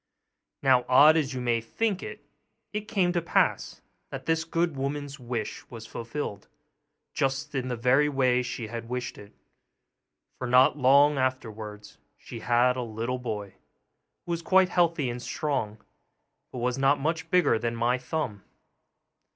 Now odd as you may think it it came to pass that this good woman's wish was fulfilled, just in the very way she had wished it; for, not long afterwards, she had a little boy, who was quite healthy and strong, but was not much bigger than my thumb.